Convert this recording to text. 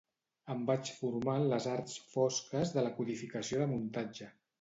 Em vaig formar en les arts fosques de la codificació de muntatge.